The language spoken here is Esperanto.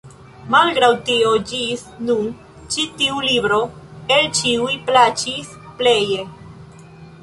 Malgraŭ tio, ĝis nun ĉi tiu libro el ĉiuj plaĉis pleje.